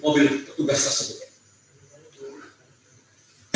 terus juga melihat ini masang